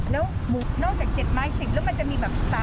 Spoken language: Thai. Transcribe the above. แล้วหมูนอกจาก๗ไม้๑๐แล้วมันจะมีแบบ